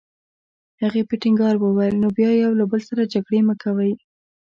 هغې په ټینګار وویل: نو بیا یو له بل سره جګړې مه کوئ.